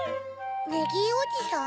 ネギーおじさん？